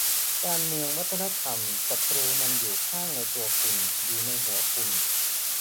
"การเมืองวัฒนธรรม ศัตรูมันอยู่ข้างในตัวคุณ อยู่ในหัวคุณ"